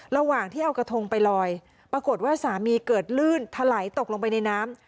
ระหว่างที่เอากระทงไปลอยปรากฏว่าสามีเกิดลื่นถลายตกลงไปในน้ำ